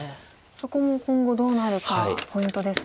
そこも今後どうなるかポイントですか。